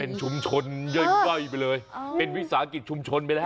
เป็นชุมชนย่อยไปเลยเป็นวิสาหกิจชุมชนไปแล้ว